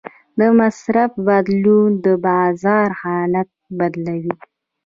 د مصرف بدلون د بازار حالت بدلوي.